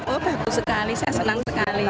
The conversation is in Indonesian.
oh bagus sekali saya senang sekali